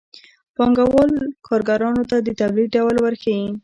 پانګوال کارګرانو ته د تولید ډول ورښيي